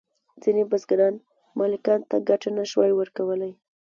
ځینې بزګران مالکانو ته ګټه نشوای ورکولی.